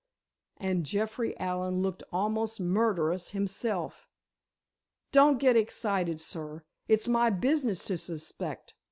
and Jeffrey Allen looked almost murderous himself. "Don't get excited, sir. It's my business to suspect.